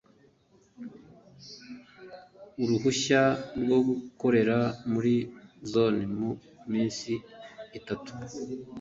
uruhushya rwo gukorera muri Zone mu minsi itatu